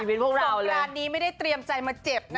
สองร้านนี้ไม่ได้เตรียมใจมาเจ็บนะครับ